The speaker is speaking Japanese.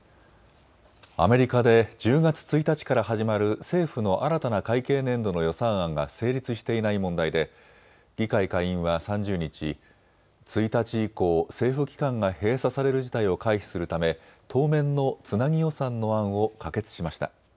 アメリカで１０月１日から始まる政府の新たな会計年度の予算案が成立していない問題で議会下院は３０日、１日以降、政府機関が閉鎖される事態を回避するため当面のつなぎ予算の案を可決しました。